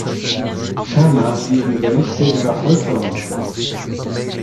Ferner liegen Berichte über Folterungen vor.